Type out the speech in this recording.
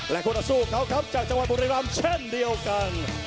และคู่ต่อสู้ของเขาครับจากจังหวัดบุรีรำเช่นเดียวกัน